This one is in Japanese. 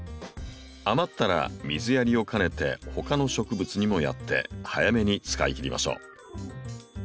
余ったら水やりを兼ねてほかの植物にもやって早めに使いきりましょう。